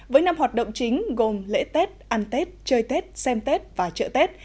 với năm hoạt động chính gồm lễ tết ăn tết chơi tết xem tết và trợ tết